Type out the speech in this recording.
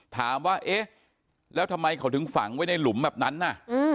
ถามว่าเอ๊ะแล้วทำไมเขาถึงฝังไว้ในหลุมแบบนั้นน่ะ